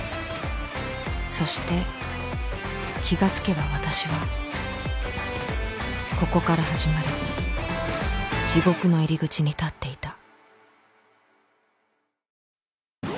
そして気がつけば私はここから始まる地獄の入り口に立っていた